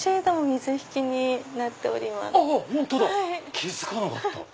気付かなかった。